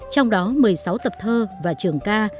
trong đó một mươi sáu tập thơ và trường ca